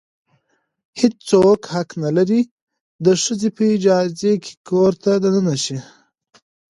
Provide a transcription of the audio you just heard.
هیڅ څوک حق نه لري د ښځې په اجازې کور ته دننه شي.